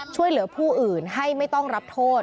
ช่วยเหลือผู้อื่นให้ไม่ต้องรับโทษ